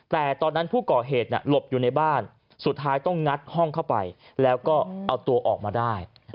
แต่ตอนนั้นผู้ก่อเหตุหลบอยู่ในบ้านสุดท้ายต้องงัดห้องเข้าไปแล้วก็เอาตัวออกมาได้